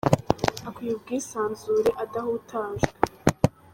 Akwiye ubwisanzure adahutajwe